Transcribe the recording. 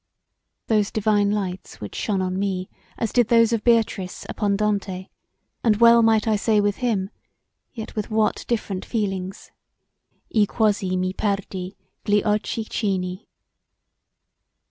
Those divine lights which shone on me as did those of Beatrice upon Dante, and well might I say with him yet with what different feelings E quasi mi perdei gli occhi chini.